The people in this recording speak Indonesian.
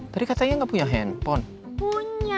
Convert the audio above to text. tadi katanya gak punya handphone